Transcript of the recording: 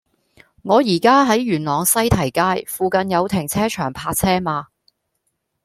我依家喺元朗西堤街，附近有停車場泊車嗎